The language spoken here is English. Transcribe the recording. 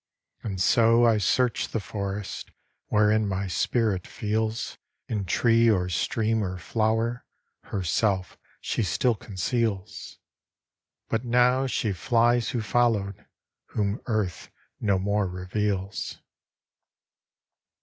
And so I search the forest, Wherein my spirit feels, In tree or stream or flower Herself she still conceals But now she flies who followed, Whom Earth no more reveals.